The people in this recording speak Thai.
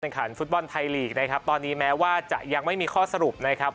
ขันฟุตบอลไทยลีกนะครับตอนนี้แม้ว่าจะยังไม่มีข้อสรุปนะครับ